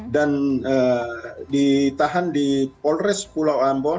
dan ditahan di polres pulau ambon